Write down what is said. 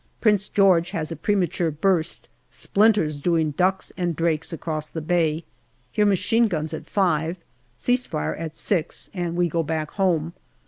Prince George has a premature burst, splinters doing ducks and drakes across the bay. Hear machine guns at five. Cease fire at six, and we go back home.